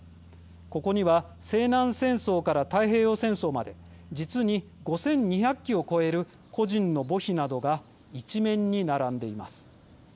ここには西南戦争から太平洋戦争まで実に５２００基を超える個人の墓碑などが一面に並んでいます。